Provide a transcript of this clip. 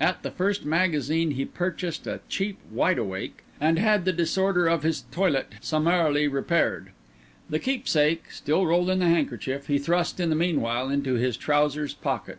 At the first magazine he purchased a cheap wideawake, and had the disorder of his toilet summarily repaired. The keepsake, still rolled in the handkerchief, he thrust in the meanwhile into his trousers pocket.